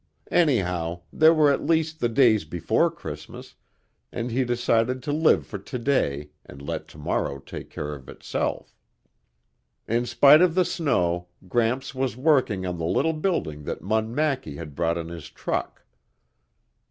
Anyhow, there were at least the days before Christmas, and he decided to live for today and let tomorrow take care of itself. In spite of the snow, Gramps was working on the little building that Munn Mackie had brought in his truck.